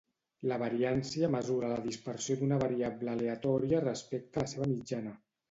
La variància mesura la dispersió d'una variable aleatòria respecte la seva mitjana